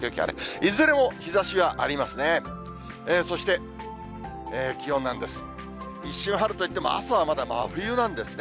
いずれも日ざしがありますね。